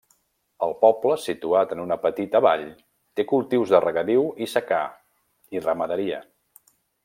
El poble situat en una petita vall, té cultius de regadiu i secà, i ramaderia.